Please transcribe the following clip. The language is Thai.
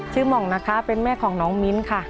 หม่องนะคะเป็นแม่ของน้องมิ้นค่ะ